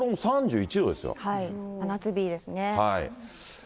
真夏日ですね。